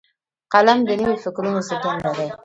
قلم د نوي فکرونو زیږنده دی